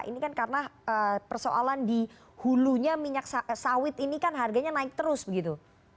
ini kan karena persoalan di hulunya minyak sawit ini kan harganya naik terus begitu